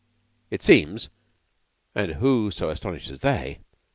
It seems and who so astonished as they?